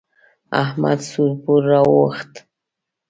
احمد سوړ پوړ را واوښت.